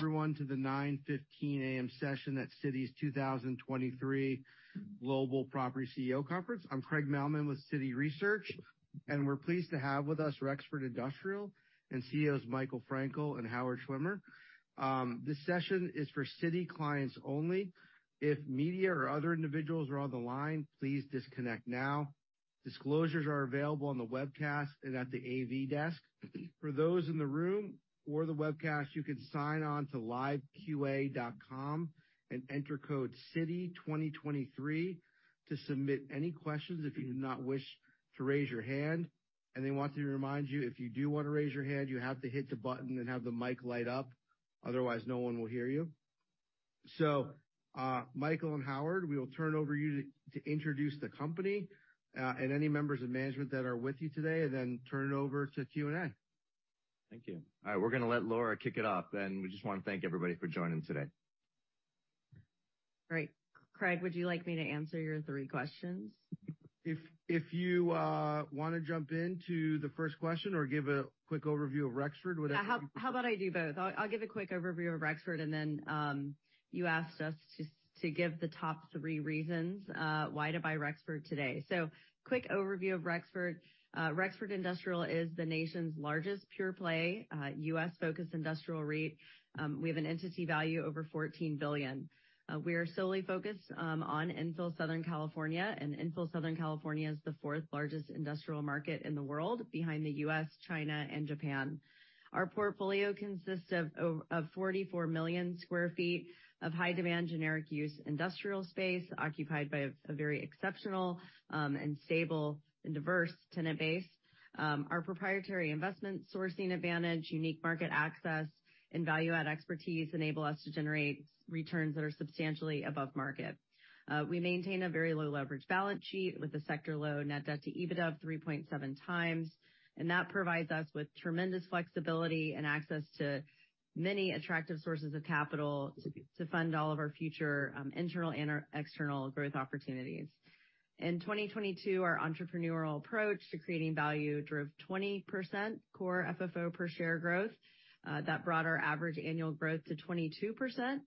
Everyone to the 9:15 AM. session at Citi's 2023 Global Property CEO Conference. I'm Craig Mailman with Citi Research. We're pleased to have with us Rexford Industrial and CEOs Michael Frankel and Howard Schwimmer. This session is for Citi clients only. If media or other individuals are on the line, please disconnect now. Disclosures are available on the webcast and at the AV desk. For those in the room or the webcast, you can sign on to liveqa.com and enter code Citi 2023 to submit any questions if you do not wish to raise your hand. Want to remind you, if you do wanna raise your hand, you have to hit the button and have the mic light up. Otherwise, no one will hear you. Michael and Howard, we will turn it over to you to introduce the company, and any members of management that are with you today, and then turn it over to Q&A. Thank you. All right, we're gonna let Laura kick it off, and we just wanna thank everybody for joining today. Great. Craig, would you like me to answer your three questions? If you wanna jump into the first question or give a quick overview of Rexford, whatever you... How about I do both? I'll give a quick overview of Rexford, you asked us to give the top three reasons why to buy Rexford today. Quick overview of Rexford. Rexford Industrial is the nation's largest pure play, U.S.-focused industrial REIT. We have an entity value over $14 billion. We are solely focused on infill Southern California. Infill Southern California is the fourth largest industrial market in the world behind the U.S., China, and Japan. Our portfolio consists of 44 million sq ft of high-demand, generic use industrial space occupied by a very exceptional, and stable and diverse tenant base. Our proprietary investment sourcing advantage, unique market access, and value add expertise enable us to generate returns that are substantially above market. We maintain a very low leverage balance sheet with a sector low Net Debt to EBITDA of 3.7x, and that provides us with tremendous flexibility and access to many attractive sources of capital to fund all of our future internal and our external growth opportunities. In 2022, our entrepreneurial approach to creating value drove 20% Core FFO per share growth. That brought our average annual growth to 22%,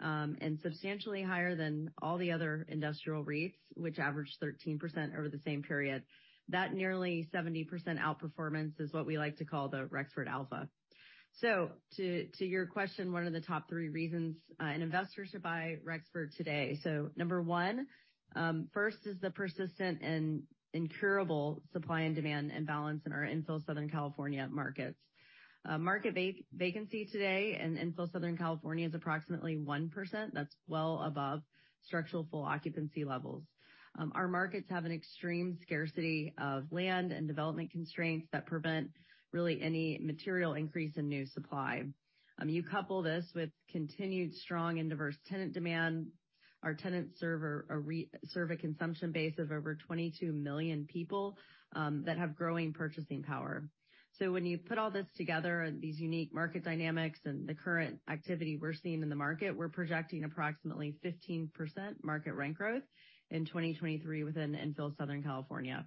and substantially higher than all the other industrial REITs, which averaged 13% over the same period. That nearly 70% outperformance is what we like to call the Rexford Alpha. To your question, what are the top three reasons an investor should buy Rexford today? Number one, first is the persistent and incurable supply and demand imbalance in our infill Southern California markets. Market vacancy today in infill Southern California is approximately 1%. That's well above structural full occupancy levels. Our markets have an extreme scarcity of land and development constraints that prevent really any material increase in new supply. You couple this with continued strong and diverse tenant demand. Our tenants serve a consumption base of over 22 million people that have growing purchasing power. When you put all this together, these unique market dynamics and the current activity we're seeing in the market, we're projecting approximately 15% market rent growth in 2023 within infill Southern California.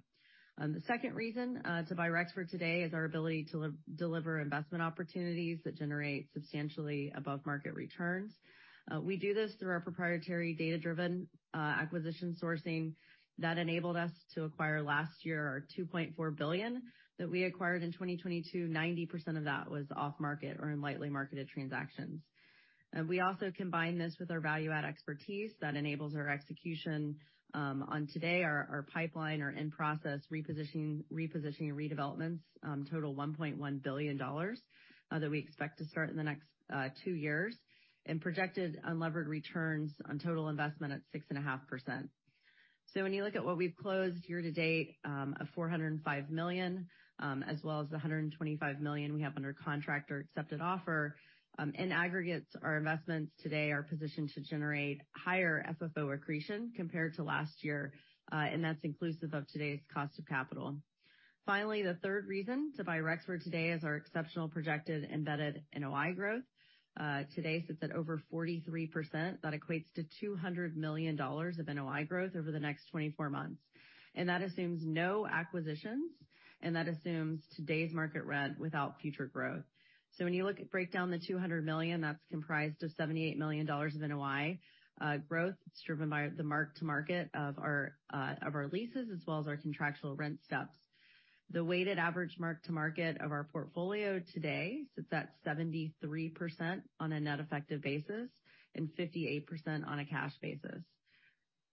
The second reason to buy Rexford today is our ability to deliver investment opportunities that generate substantially above market returns. We do this through our proprietary data-driven acquisition sourcing that enabled us to acquire last year our $2.4 billion that we acquired in 2022. 90% of that was off market or in lightly marketed transactions. We also combine this with our value add expertise that enables our execution on today our pipeline, our in-process repositioning redevelopments, total $1.1 billion that we expect to start in the next two years. Projected unlevered returns on total investment at 6.5%. When you look at what we've closed year to date, of $405 million, as well as the $125 million we have under contract or accepted offer, in aggregates, our investments today are positioned to generate higher FFO accretion compared to last year, and that's inclusive of today's cost of capital. Finally, the third reason to buy Rexford today is our exceptional projected embedded NOI growth. Today sits at over 43%. That equates to $200 million of NOI growth over the next 24 months. That assumes no acquisitions, and that assumes today's market rent without future growth. When you look at breakdown the $200 million, that's comprised of $78 million of NOI growth. It's driven by the Mark-to-market of our of our leases as well as our contractual rent steps. The weighted average Mark-to-market of our portfolio today sits at 73% on a net effective basis and 58% on a cash basis.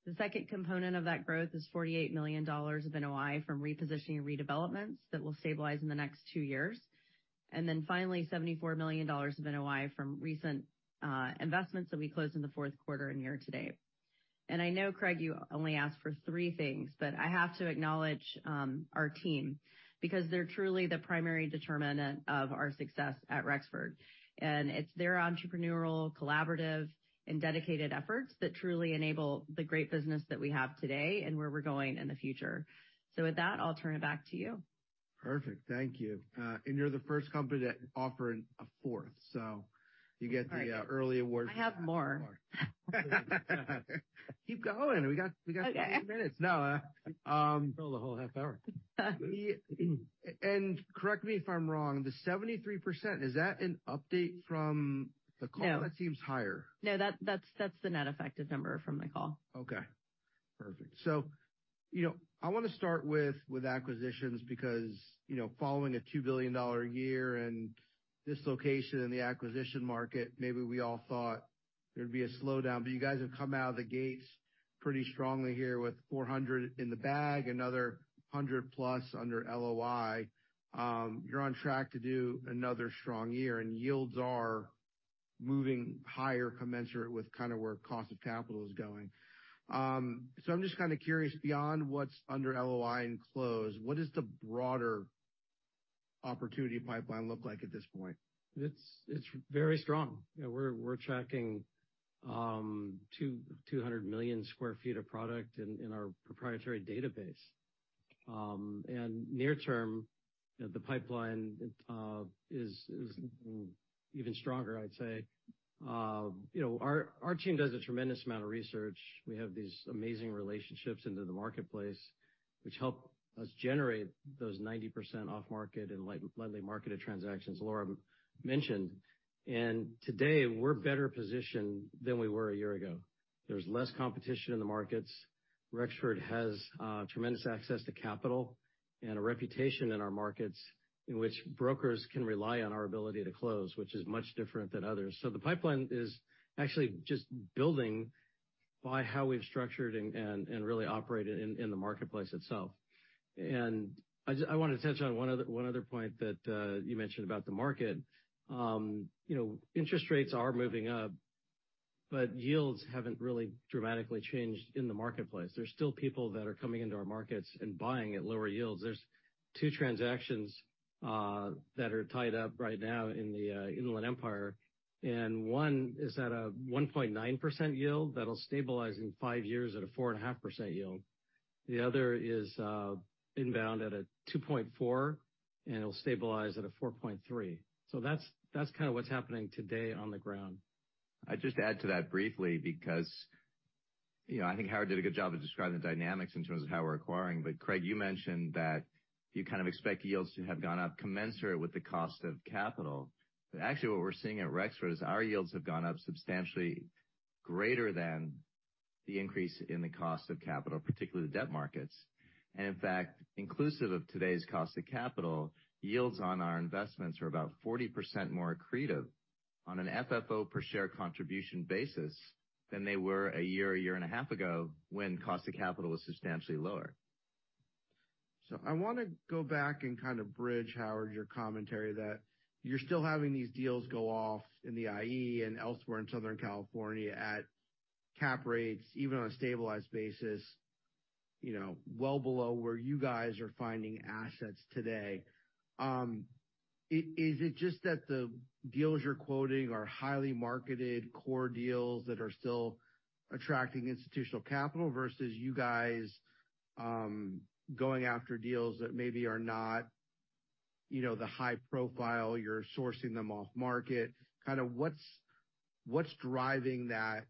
The second component of that growth is $48 million of NOI from repositioning redevelopments that will stabilize in the next two years. Finally, $74 million of NOI from recent investments that we closed in the fourth quarter and year to date. I know, Craig, you only asked for three things, but I have to acknowledge our team because they're truly the primary determinant of our success at Rexford. It's their entrepreneurial, collaborative, and dedicated efforts that truly enable the great business that we have today and where we're going in the future. With that, I'll turn it back to you. Perfect. Thank you. You're the first company to offer a fourth, so you get the early award for that. I have more. Keep going. We got 15 minutes. Okay. No. Fill the whole half hour. Correct me if I'm wrong, the 73%, is that an update from the call? No. That seems higher. No. That's the net effective number from the call. Okay. Perfect. You know, I wanna start with acquisitions because, you know, following a $2 billion year and this location in the acquisition market, maybe we all thought there'd be a slowdown, but you guys have come out of the gates pretty strongly here with $400 million in the bag, another $100+ million under LOI. You're on track to do another strong year, and yields are moving higher commensurate with kind of where cost of capital is going. I'm just kinda curious, beyond what's under LOI and close, what is the broader opportunity pipeline look like at this point? It's very strong. You know, we're tracking 200 million sq ft of product in our proprietary database. Near term, you know, the pipeline is even stronger, I'd say. You know, our team does a tremendous amount of research. We have these amazing relationships into the marketplace, which help us generate those 90% off market and lightly marketed transactions Laura mentioned. Today, we're better positioned than we were a year ago. There's less competition in the markets. Rexford has tremendous access to capital and a reputation in our markets in which brokers can rely on our ability to close, which is much different than others. The pipeline is actually just building by how we've structured and really operate in the marketplace itself. I wanna touch on one other point that you mentioned about the market. You know, interest rates are moving up, but yields haven't really dramatically changed in the marketplace. There's still people that are coming into our markets and buying at lower yields. There's two transactions that are tied up right now in the Inland Empire, one is at a 1.9% yield that'll stabilize in five years at a four and a half percent yield. The other is inbound at a 2.4, it'll stabilize at a 4.3. That's kinda what's happening today on the ground. I'd just add to that briefly because, you know, I think Howard did a good job of describing the dynamics in terms of how we're acquiring. Craig, you mentioned that you kind of expect yields to have gone up commensurate with the cost of capital. Actually what we're seeing at Rexford is our yields have gone up substantially greater than the increase in the cost of capital, particularly the debt markets. In fact, inclusive of today's cost of capital, yields on our investments are about 40% more accretive on an FFO per share contribution basis than they were a year, a year and a half ago when cost of capital was substantially lower. I wanna go back and kind of bridge, Howard, your commentary that you're still having these deals go off in the IE and elsewhere in Southern California at cap rates, even on a stabilized basis, you know, well below where you guys are finding assets today. Is it just that the deals you're quoting are highly marketed core deals that are still attracting institutional capital versus you guys, going after deals that maybe are not, you know, the high profile, you're sourcing them off market? Kinda what's driving that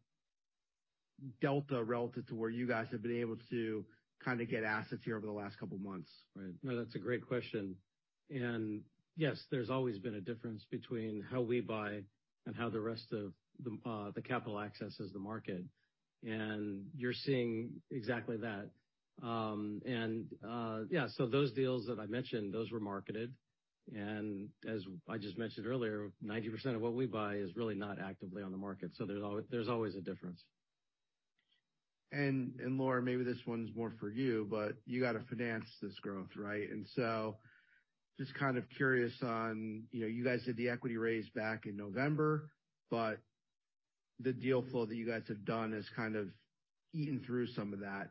delta relative to where you guys have been able to kinda get assets here over the last couple months? Right. No, that's a great question. Yes, there's always been a difference between how we buy and how the rest of the capital accesses the market. You're seeing exactly that. Yeah, so those deals that I mentioned, those were marketed. As I just mentioned earlier, 90% of what we buy is really not actively on the market. There's always a difference. Laura, maybe this one's more for you, but you gotta finance this growth, right? Just kind of curious on, you know, you guys did the equity raise back in November, but the deal flow that you guys have done has kind of eaten through some of that.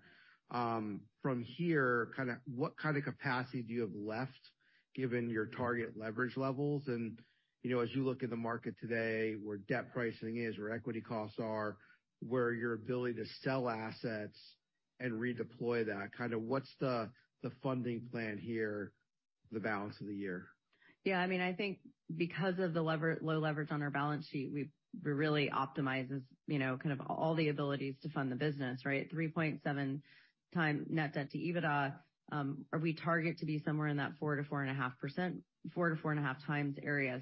From here, what kind of capacity do you have left given your target leverage levels? You know, as you look at the market today, where debt pricing is, where equity costs are, where your ability to sell assets and redeploy that, kinda what's the funding plan here the balance of the year? I mean, I think because of the low leverage on our balance sheet, we've, we're really optimizes, you know, all the abilities to fund the business, right? 3.7x Net Debt to EBITDA, or we target to be somewhere in that 4%-4.5%, 4-4.5x area.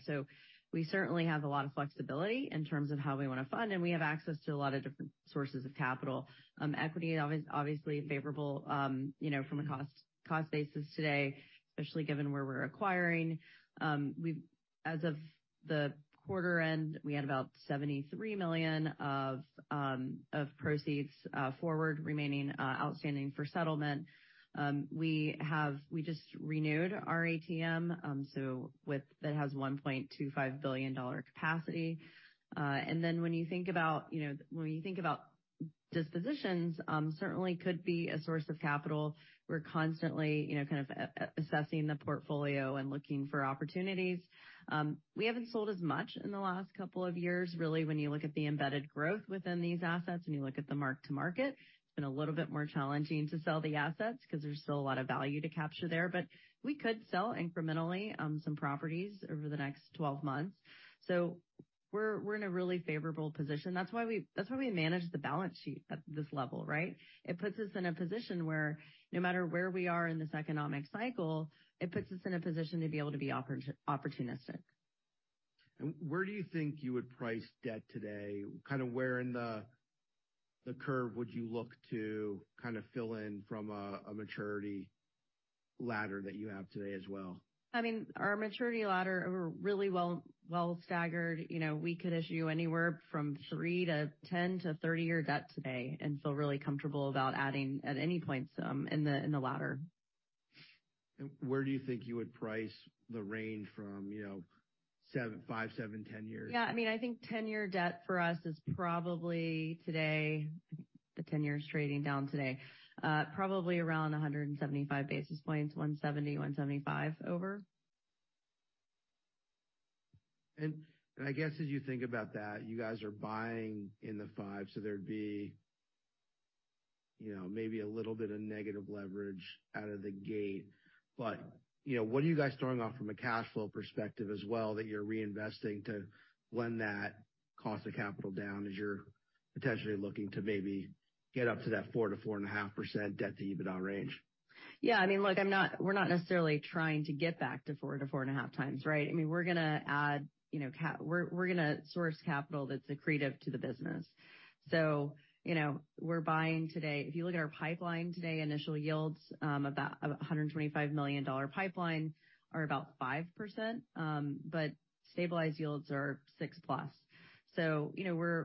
We certainly have a lot of flexibility in terms of how we wanna fund, and we have access to a lot of different sources of capital. Equity obviously favorable, you know, from a cost basis today, especially given where we're acquiring. As of the quarter end, we had about $73 million of proceeds forward remaining outstanding for settlement. We just renewed our ATM, that has $1.25 billion capacity. When you think about, you know, when you think about dispositions, certainly could be a source of capital. We're constantly, you know, assessing the portfolio and looking for opportunities. We haven't sold as much in the last couple of years. Really, when you look at the embedded growth within these assets and you look at the mark-to-market, it's been a little bit more challenging to sell the assets because there's still a lot of value to capture there. We could sell incrementally some properties over the next 12 months. We're in a really favorable position. That's why we manage the balance sheet at this level, right? It puts us in a position where no matter where we are in this economic cycle, it puts us in a position to be able to be opportunistic. Where do you think you would price debt today? Kinda where in the curve would you look to kinda fill in from a maturity ladder that you have today as well? I mean, our maturity ladder, we're really well staggered. You know, we could issue anywhere from three to 10 to 30-year debt today and feel really comfortable about adding at any point some in the ladder. Where do you think you would price the range from, you know, five, seven, 10 years? Yeah. I mean, I think 10-year debt for us is probably today, the 10-year's trading down today, probably around 175 basis points, 170-175 over. I guess, as you think about that, you guys are buying in the five, so there'd be, you know, maybe a little bit of negative leverage out of the gate. You know, what are you guys throwing off from a cash flow perspective as well that you're reinvesting to blend that cost of capital down as you're potentially looking to maybe get up to that 4%-4.5% debt-to-EBITDA range? Yeah. I mean, look, I'm not, we're not necessarily trying to get back to 4x-4.5x, right? I mean, we're gonna add, you know, we're gonna source capital that's accretive to the business. You know, we're buying today. If you look at our pipeline today, initial yields, about a $125 million pipeline are about 5%, but stabilized yields are 6%+. You know, we're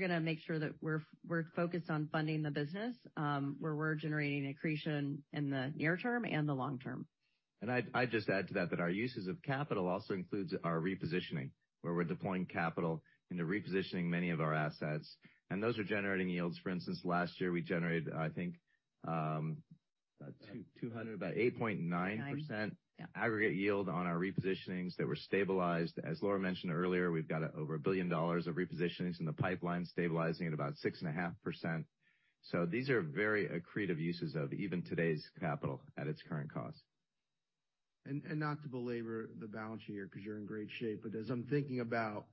gonna make sure that we're focused on funding the business, where we're generating accretion in the near term and the long term. I'd just add to that our uses of capital also includes our repositioning, where we're deploying capital into repositioning many of our assets. Those are generating yields. For instance, last year, we generated, I think, about 8.9% aggregate yield on our repositionings that were stabilized. As Laura mentioned earlier, we've got over $1 billion of repositionings in the pipeline, stabilizing at about 6.5%. These are very accretive uses of even today's capital at its current cost. Not to belabor the balance sheet here, because you're in great shape, but as I'm thinking about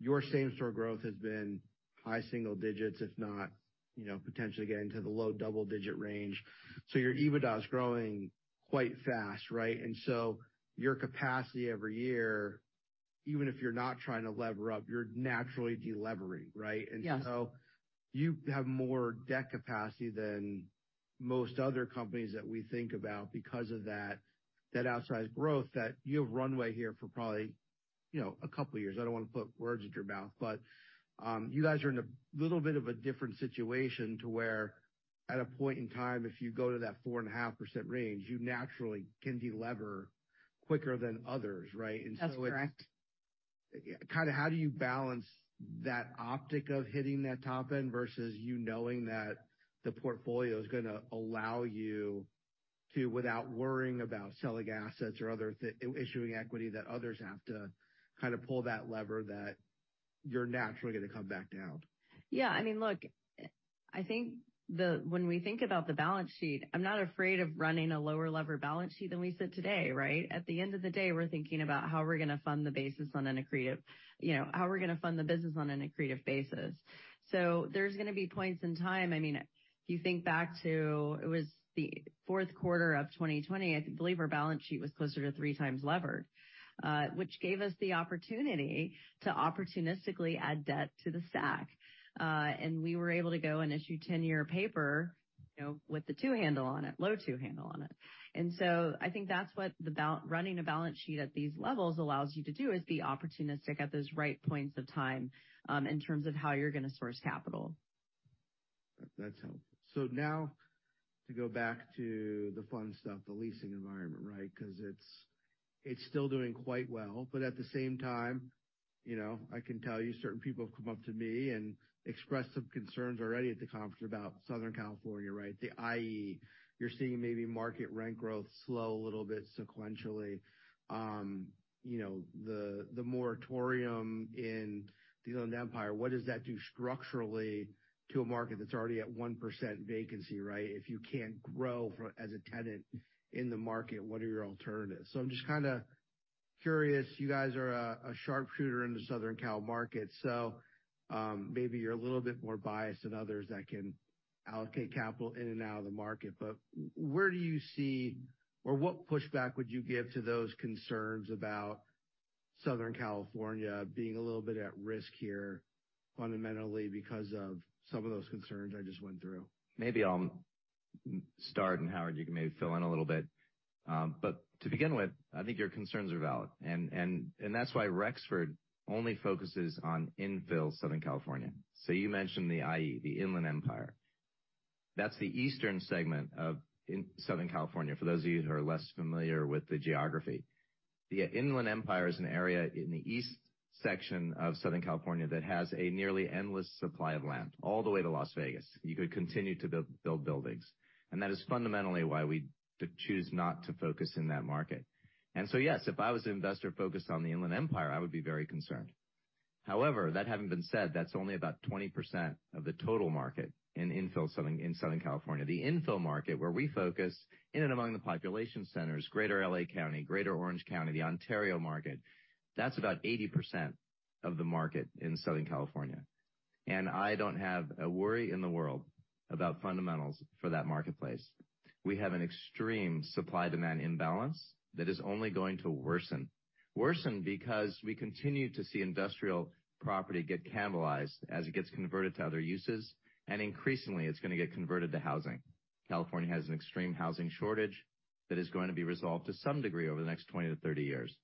your same-store growth has been high single digits, if not, you know, potentially getting to the low double digit range. Your EBITDA is growing quite fast, right? Your capacity every year, even if you're not trying to lever up, you're naturally de-levering, right? Yes. You have more debt capacity than most other companies that we think about because of that outsized growth, that you have runway here for probably, you know, a couple of years. I don't want to put words in your mouth, but you guys are in a little bit of a different situation to where at a point in time, if you go to that 4.5% range, you naturally can de-lever quicker than others, right? That's correct. It's Kinda how do you balance that optic of hitting that top end versus you knowing that the portfolio is gonna allow you to, without worrying about selling assets or other issuing equity that others have to kinda pull that lever that you're naturally gonna come back down? Yeah. I mean, look, I think when we think about the balance sheet, I'm not afraid of running a lower lever balance sheet than we sit today, right? At the end of the day, we're thinking about how we're gonna fund the business on an accretive basis. There's gonna be points in time, I mean, if you think back to, it was the fourth quarter of 2020, I believe our balance sheet was closer to 3x levered, which gave us the opportunity to opportunistically add debt to the stack. We were able to go and issue 10-year paper, you know, with the two handle on it, low two handle on it. I think that's what running a balance sheet at these levels allows you to do, is be opportunistic at those right points of time, in terms of how you're gonna source capital. That's helpful. Now to go back to the fun stuff, the leasing environment, right? It's still doing quite well. At the same time, you know, I can tell you certain people have come up to me and expressed some concerns already at the conference about Southern California, right? The IE. You're seeing maybe market rent growth slow a little bit sequentially. You know, the moratorium in the Inland Empire, what does that do structurally to a market that's already at 1% vacancy, right? If you can't grow as a tenant in the market, what are your alternatives? I'm just kinda curious. You guys are a sharpshooter in the Southern Cal market, so maybe you're a little bit more biased than others that can allocate capital in and out of the market. Where do you see or what pushback would you give to those concerns about Southern California being a little bit at risk here fundamentally because of some of those concerns I just went through? Maybe I'll start, Howard, you can maybe fill in a little bit. To begin with, I think your concerns are valid and that's why Rexford only focuses on infill Southern California. You mentioned the IE, the Inland Empire. That's the eastern segment of in Southern California, for those of you who are less familiar with the geography. The Inland Empire is an area in the east section of Southern California that has a nearly endless supply of land all the way to Las Vegas. You could continue to build buildings. That is fundamentally why we choose not to focus in that market. Yes, if I was an investor focused on the Inland Empire, I would be very concerned. However, that having been said, that's only about 20% of the total market in infill Southern California. The infill market, where we focus in and among the population centers, Greater L.A. County, Greater Orange County, the Ontario market, that's about 80% of the market in Southern California. I don't have a worry in the world about fundamentals for that marketplace. We have an extreme supply-demand imbalance that is only going to worsen. Worsen because we continue to see industrial property get cannibalized as it gets converted to other uses, and increasingly, it's gonna get converted to housing. California has an extreme housing shortage that is going to be resolved to some degree over the next 20 years-30 years.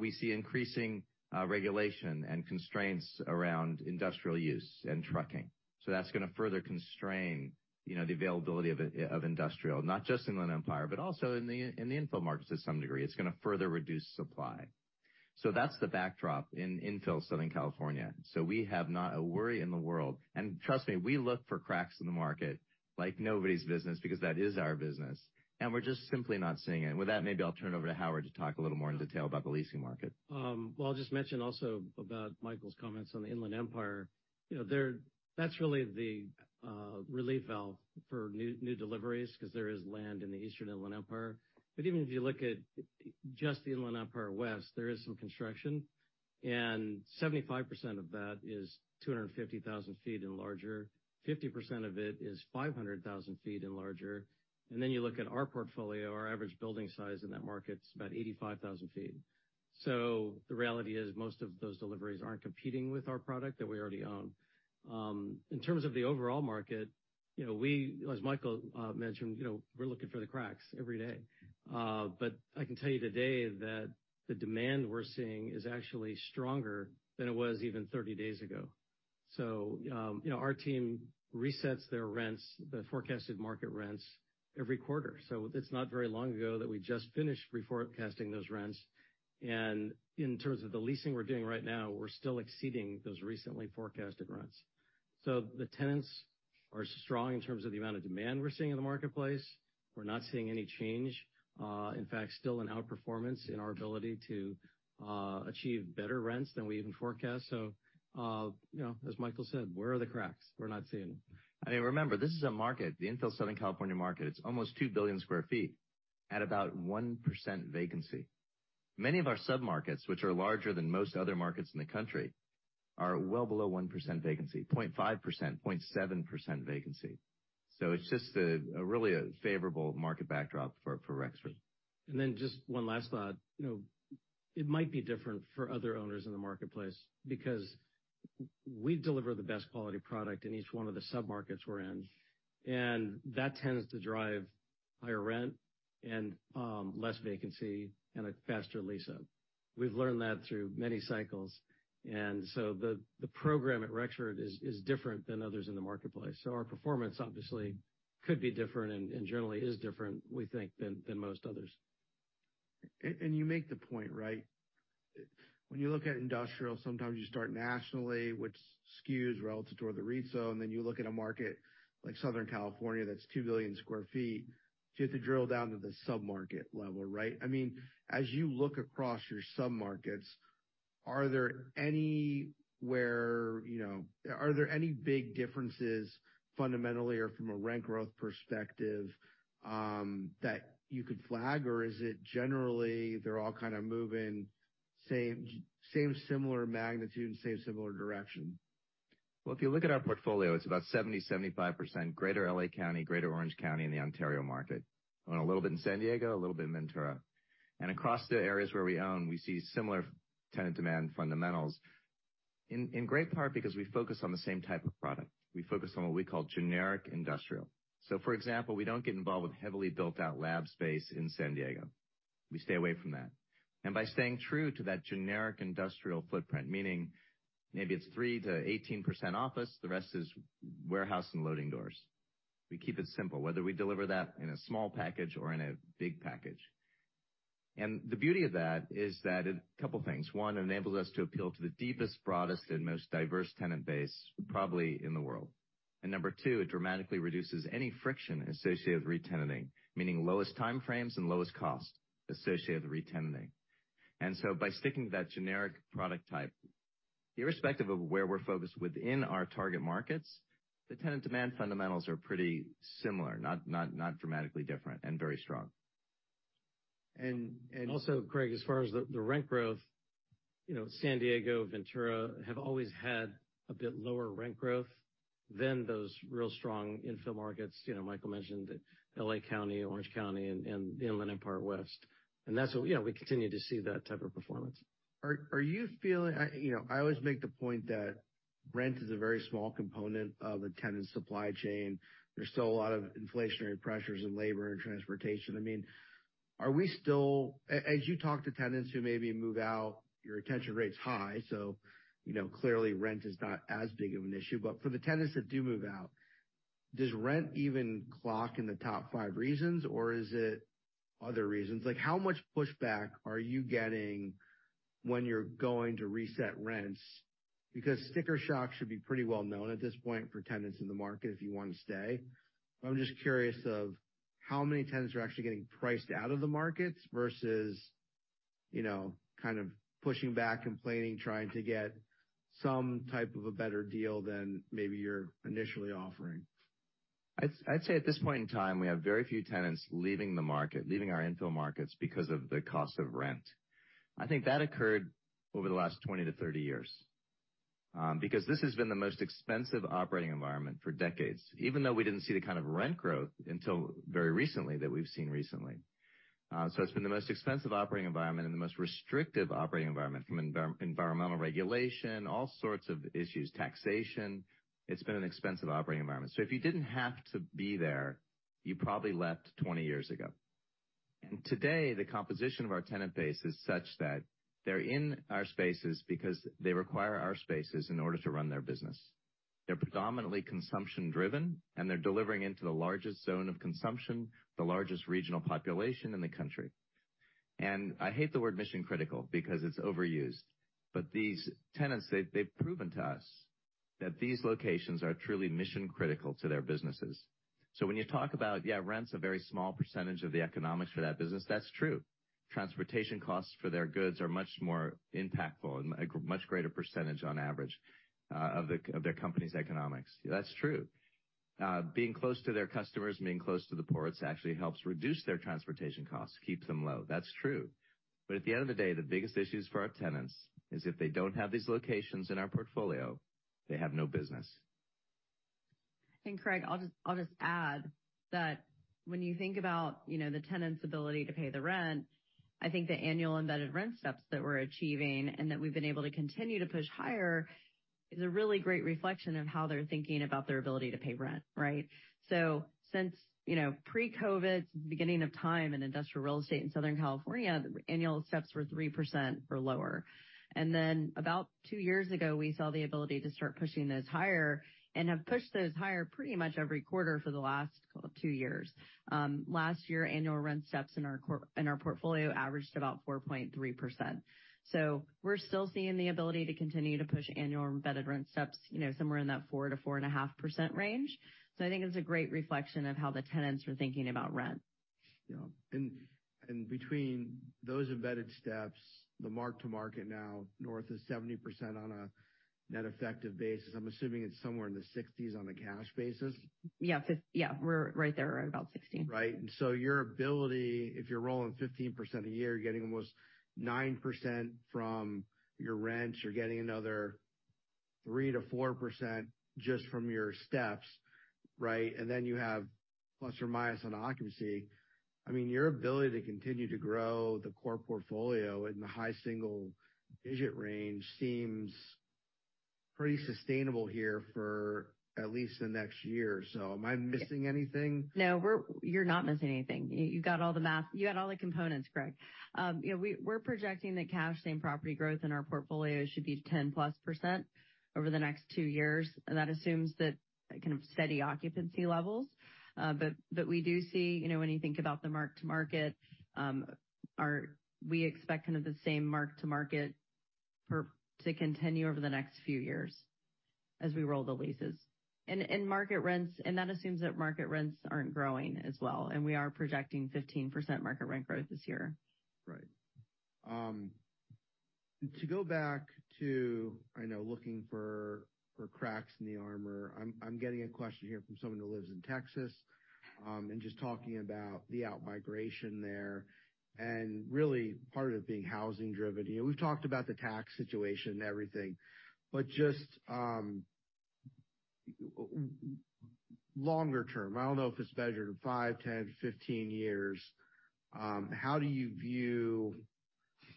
We see increasing regulation and constraints around industrial use and trucking. That's gonna further constrain, you know, the availability of it, of industrial, not just Inland Empire, but also in the, in the infill markets to some degree. It's gonna further reduce supply. That's the backdrop in infill Southern California. We have not a worry in the world. Trust me, we look for cracks in the market like nobody's business because that is our business, and we're just simply not seeing it. With that, maybe I'll turn it over to Howard to talk a little more in detail about the leasing market. I'll just mention also about Michael's comments on the Inland Empire. You know, that's really the relief valve for new deliveries because there is land in the Eastern Inland Empire. Even if you look at just the Inland Empire West, there is some construction, and 75% of that is 250,000 feet and larger. 50% of it is 500,000 feet and larger. You look at our portfolio, our average building size in that market's about 85,000 feet. The reality is most of those deliveries aren't competing with our product that we already own. In terms of the overall market, you know, we, as Michael mentioned, you know, we're looking for the cracks every day. I can tell you today that the demand we're seeing is actually stronger than it was even 30 days ago. You know, our team resets their rents, the forecasted market rents every quarter. It's not very long ago that we just finished reforecasting those rents. In terms of the leasing we're doing right now, we're still exceeding those recently forecasted rents. The tenants are strong in terms of the amount of demand we're seeing in the marketplace. We're not seeing any change, in fact, still an outperformance in our ability to achieve better rents than we even forecast. You know, as Michael said, where are the cracks? We're not seeing them. Remember, this is a market, the infill Southern California market. It's almost 2 billion sq ft at about 1% vacancy. Many of our submarkets, which are larger than most other markets in the country, are well below 1% vacancy, 0.5%, 0.7% vacancy. It's just a really favorable market backdrop for Rexford. Just one last thought. You know, it might be different for other owners in the marketplace because we deliver the best quality product in each one of the submarkets we're in, and that tends to drive higher rent and less vacancy and a faster lease up. We've learned that through many cycles, the program at Rexford is different than others in the marketplace. Our performance obviously could be different and generally is different, we think, than most others. You make the point, right? When you look at industrial, sometimes you start nationally, which skews relative to other retail, and then you look at a market like Southern California, that's 2 billion sq ft. You have to drill down to the submarket level, right? I mean, as you look across your submarkets, are there anywhere, you know, are there any big differences fundamentally or from a rent growth perspective that you could flag? Is it generally they're all kind of moving same similar magnitude, same similar direction? Well, if you look at our portfolio, it's about 70%-75% greater L.A. County, greater Orange County, and the Ontario market. On a little bit in San Diego, a little bit in Ventura. Across the areas where we own, we see similar tenant demand fundamentals. In great part because we focus on the same type of product. We focus on what we call generic industrial. For example, we don't get involved with heavily built out lab space in San Diego. We stay away from that. By staying true to that generic industrial footprint, meaning maybe it's 3%-18% office, the rest is warehouse and loading doors. We keep it simple, whether we deliver that in a small package or in a big package. The beauty of that is that Couple things. One, it enables us to appeal to the deepest, broadest, and most diverse tenant base probably in the world. Number two, it dramatically reduces any friction associated with re-tenanting, meaning lowest time frames and lowest cost associated with re-tenanting. By sticking to that generic product type, irrespective of where we're focused within our target markets, the tenant demand fundamentals are pretty similar, not dramatically different and very strong. And, and- Craig, as far as the rent growth, you know, San Diego, Ventura have always had a bit lower rent growth than those real strong infill markets. You know, Michael mentioned that L.A. County, Orange County and the Inland Empire West. That's what, you know, we continue to see that type of performance. Are you feeling? I, you know, I always make the point that rent is a very small component of a tenant supply chain. There's still a lot of inflationary pressures in labor and transportation. I mean, as you talk to tenants who maybe move out, your retention rate's high, so you know, clearly rent is not as big of an issue. For the tenants that do move out, does rent even clock in the top 5 reasons, or is it other reasons? Like, how much pushback are you getting when you're going to reset rents? Because sticker shock should be pretty well known at this point for tenants in the market if you want to stay. I'm just curious of how many tenants are actually getting priced out of the markets versus, you know, kind of pushing back, complaining, trying to get some type of a better deal than maybe you're initially offering? I'd say at this point in time, we have very few tenants leaving the market, leaving our infill markets because of the cost of rent. I think that occurred over the last 20 to 30 years, because this has been the most expensive operating environment for decades, even though we didn't see the kind of rent growth until very recently that we've seen recently. It's been the most expensive operating environment and the most restrictive operating environment from environmental regulation, all sorts of issues, taxation. It's been an expensive operating environment. If you didn't have to be there, you probably left 20 years ago. Today, the composition of our tenant base is such that they're in our spaces because they require our spaces in order to run their business. They're predominantly consumption driven. They're delivering into the largest zone of consumption, the largest regional population in the country. I hate the word mission critical because it's overused. These tenants, they've proven to us that these locations are truly mission critical to their businesses. When you talk about, yeah, rent's a very small percentage of the economics for that business, that's true. Transportation costs for their goods are much more impactful and a much greater percentage on average, of their company's economics. That's true. Being close to their customers and being close to the ports actually helps reduce their transportation costs, keeps them low. That's true. At the end of the day, the biggest issues for our tenants is if they don't have these locations in our portfolio, they have no business. Craig Mailman, I'll just add that when you think about, you know, the tenant's ability to pay the rent, I think the annual embedded rent steps that we're achieving and that we've been able to continue to push higher is a really great reflection of how they're thinking about their ability to pay rent, right? Since, you know, pre-COVID, beginning of time in industrial real estate in Southern California, the annual steps were 3% or lower. Then about two years ago, we saw the ability to start pushing those higher and have pushed those higher pretty much every quarter for the last two years. Last year, annual rent steps in our portfolio averaged about 4.3%. We're still seeing the ability to continue to push annual embedded rent steps, you know, somewhere in that 4% to 4.5% range. I think it's a great reflection of how the tenants are thinking about rent. Yeah. Between those embedded steps, the Mark-to-market now north of 70% on a net effective basis, I'm assuming it's somewhere in the 60s on a cash basis. Yeah. yeah, we're right there around about 16. Right. Your ability, if you're rolling 15% a year, you're getting almost 9% from your rents, you're getting another 3%-4% just from your steps, right? Then you have ± on occupancy. I mean, your ability to continue to grow the core portfolio in the high single digit range seems pretty sustainable here for at least the next year or so. Am I missing anything? No. You're not missing anything. You got all the math. You got all the components, Craig Mailman. You know, we're projecting that cash, Same Property Growth in our portfolio should be 10%+ over the next two years. That assumes that kind of steady occupancy levels. But we do see, you know, when you think about the Mark-to-market, We expect kind of the same Mark-to-market to continue over the next few years as we roll the leases. Market rents, and that assumes that market rents aren't growing as well, and we are projecting 15% market rent growth this year. Right. To go back to, I know, looking for cracks in the armor, I'm getting a question here from someone who lives in Texas, and just talking about the outmigration there and really part of it being housing driven. You know, we've talked about the tax situation and everything, but just longer term, I don't know if it's measured in five, 10, 15 years, how do you view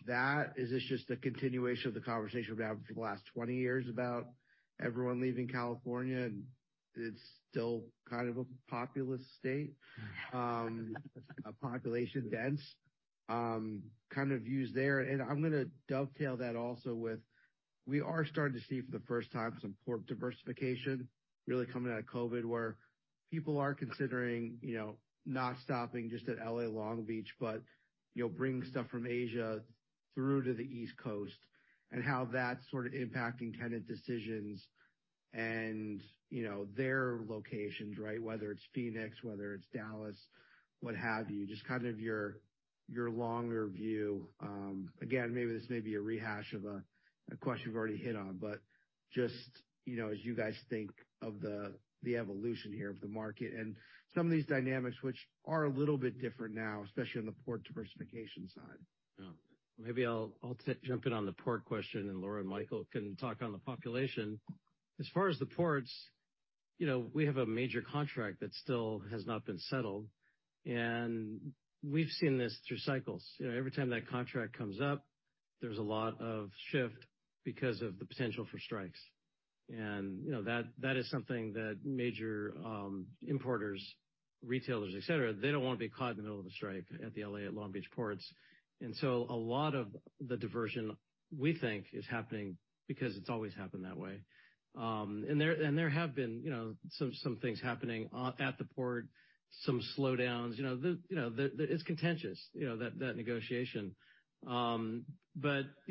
that? Is this just a continuation of the conversation we've had for the last 20 years about everyone leaving California, and it's still kind of a populous state, a population dense, kind of views there? I'm gonna dovetail that also with, we are starting to see for the first time some port diversification really coming out of COVID, where people are considering, you know, not stopping just at L.A. Long Beach, but, you know, bringing stuff from Asia through to the East Coast and how that's sort of impacting tenant decisions and, you know, their locations, right? Whether it's Phoenix, whether it's Dallas, what have you. Just kind of your longer view. Again, maybe this may be a rehash of a question you've already hit on, but just, you know, as you guys think of the evolution here of the market and some of these dynamics which are a little bit different now, especially on the port diversification side. Maybe I'll jump in on the port question, and Laura and Michael can talk on the population. As far as the ports, you know, we have a major contract that still has not been settled, and we've seen this through cycles. You know, every time that contract comes up, there's a lot of shift because of the potential for strikes. You know, that is something that major importers, retailers, et cetera, they don't want to be caught in the middle of a strike at the L.A. Long Beach ports. So a lot of the diversion we think is happening because it's always happened that way. There have been, you know, some things happening at the port, some slowdowns. You know, the... It's contentious, you know, that negotiation. You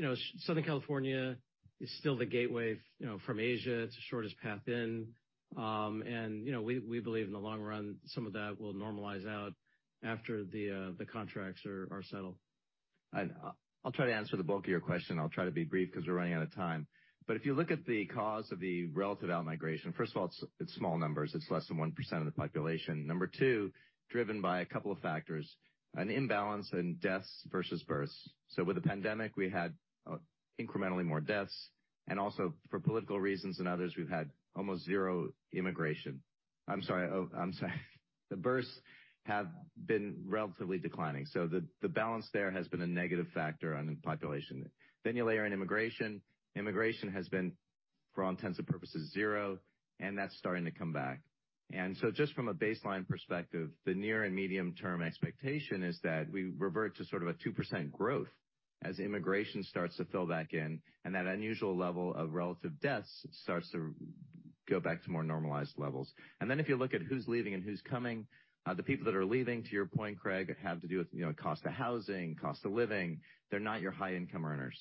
know, Southern California is still the gateway, you know, from Asia. It's the shortest path in. You know, we believe in the long run, some of that will normalize out after the contracts are settled. I'll try to answer the bulk of your question. I'll try to be brief because we're running out of time. If you look at the cause of the relative outmigration, first of all, it's small numbers. It's less than 1% of the population. Number two, driven by a couple of factors, an imbalance in deaths versus births. With the pandemic, we had incrementally more deaths and also for political reasons than others, we've had almost zero immigration. I'm sorry. I'm sorry. The births have been relatively declining. The balance there has been a negative factor on population. You layer in immigration. Immigration has been, for all intents and purposes, zero, and that's starting to come back. Just from a baseline perspective, the near and medium term expectation is that we revert to sort of a 2% growth as immigration starts to fill back in and that unusual level of relative deaths starts to go back to more normalized levels. If you look at who's leaving and who's coming, the people that are leaving, to your point, Craig Mailman, have to do with, you know, cost of housing, cost of living. They're not your high income earners.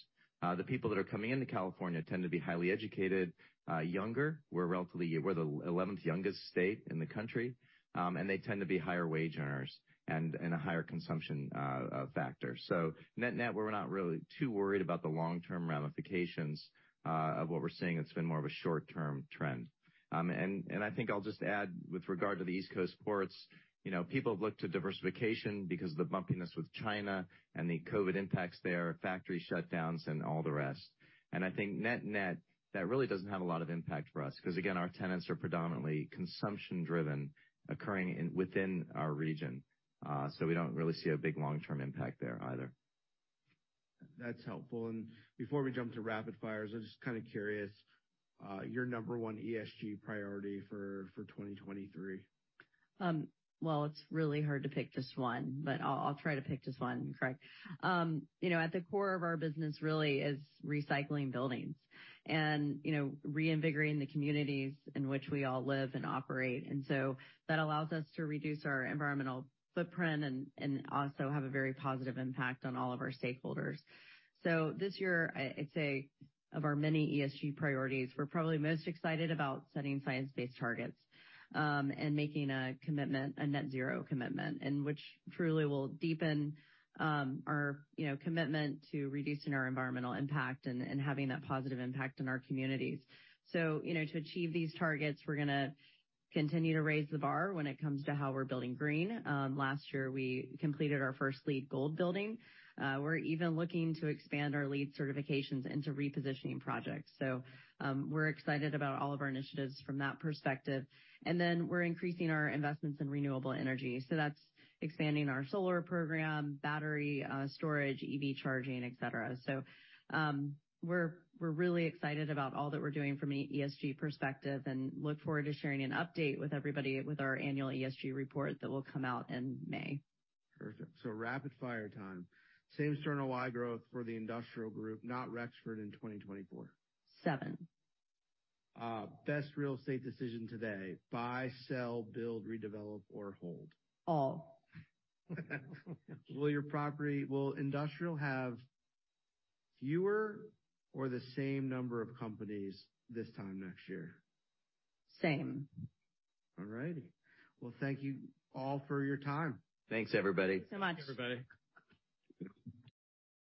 The people that are coming into California tend to be highly educated, younger. We're the 11th youngest state in the country, and they tend to be higher wage earners and in a higher consumption factor. Net-net, we're not really too worried about the long-term ramifications of what we're seeing. It's been more of a short-term trend. I think I'll just add with regard to the East Coast ports, you know, people have looked to diversification because of the bumpiness with China and the COVID impacts there, factory shutdowns and all the rest. I think net-net, that really doesn't have a lot of impact for us because again, our tenants are predominantly consumption driven, occurring in, within our region. We don't really see a big long-term impact there either. That's helpful. Before we jump to rapid fires, I'm just kind of curious, your number one ESG priority for 2023? Well, it's really hard to pick just one, but I'll try to pick just one, Craig. You know, at the core of our business really is recycling buildings and, you know, reinvigorating the communities in which we all live and operate. That allows us to reduce our environmental footprint and also have a very positive impact on all of our stakeholders. This year, I'd say of our many ESG priorities, we're probably most excited about setting science-based targets and making a commitment, a net zero commitment, and which truly will deepen our, you know, commitment to reducing our environmental impact and having that positive impact in our communities. You know, to achieve these targets, we're gonna continue to raise the bar when it comes to how we're building green. Last year, we completed our first LEED Gold building. We're even looking to expand our LEED certifications into repositioning projects. We're excited about all of our initiatives from that perspective. We're increasing our investments in renewable energy. That's expanding our solar program, battery storage, EV charging, et cetera. We're really excited about all that we're doing from an ESG perspective and look forward to sharing an update with everybody with our annual ESG report that will come out in May. Perfect. Rapid fire time. Same external Y growth for the industrial group, not Rexford in 2024. Seven. Best real estate decision today: buy, sell, build, redevelop, or hold? All. Will industrial have fewer or the same number of companies this time next year? Same. All righty. Well, thank you all for your time. Thanks, everybody. Thanks so much. Thanks, everybody.